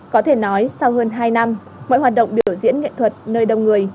có thể nói sau hơn hai năm mọi hoạt động biểu diễn nghệ thuật nơi đông người